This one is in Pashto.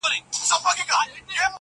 نه فریاد یې له ستړیا سو چاته کړلای -